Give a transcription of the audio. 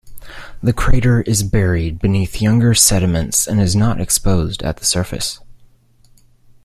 The crater is buried beneath younger sediments and is not exposed at the surface.